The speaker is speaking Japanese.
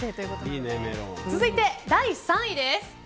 続いて、第３位です。